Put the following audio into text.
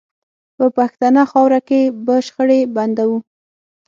په پښتنه خاوره کې به شخړې بندوو